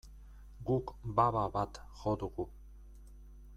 Guk baba bat jo dugu.